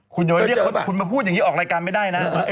คุณโย๊ยคุณมาพูดแบบนี้ออกรายการไม่ได้นะ